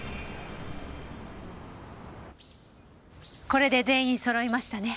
これで全員揃いましたね。